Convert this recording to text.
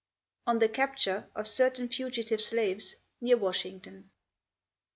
ON THE CAPTURE OF CERTAIN FUGITIVE SLAVES NEAR WASHINGTON.